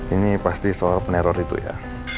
ini pasti soal peneror itu ya